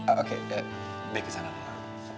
oke bi kesana dulu